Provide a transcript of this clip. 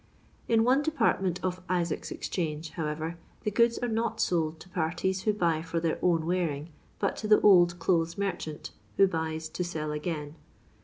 In one department of "Isaac's Exchange," however, the goods are not sold to parties who buy for their own wearing, bat to the old clothes merchant, who buys to sell again.